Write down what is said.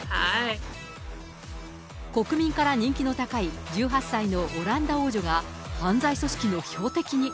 国民から人気の高い１８歳のオランダ王女が犯罪組織の標的に。